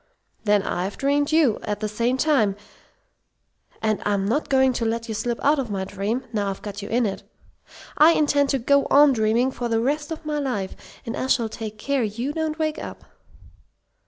"Then I've dreamed you, at the same time, and I'm not going to let you slip out of my dream, now I've got you in it. I intend to go on dreaming you for the rest of my life. And I shall take care you don't wake up!"